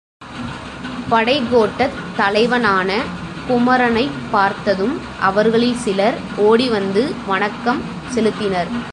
படைக்கோட்டத் தலைவனான குமரனைப் பார்த்ததும் அவர்களில் சிலர் ஓடி வந்து வணக்கம் செலுத்தினர்.